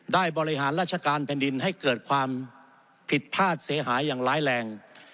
บริหารราชการแผ่นดินให้เกิดความผิดพลาดเสียหายอย่างร้ายแรง